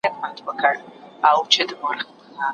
هر کار په اندازه وکړه